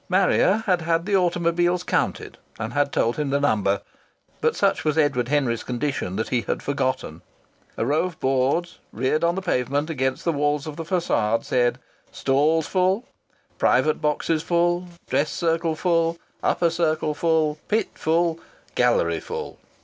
Marrier had had the automobiles counted and had told him the number, but such was Edward Henry's condition that he had forgotten. A row of boards reared on the pavement against the walls of the façade said: "Stalls Full," "Private Boxes Full," "Dress Circle Full," "Upper Circle Full," "Pit Full," "Gallery Full."